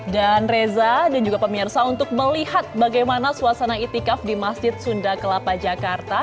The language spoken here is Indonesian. dan reza dan juga pemirsa untuk melihat bagaimana suasana itikaf di masjid sunda kelapa jakarta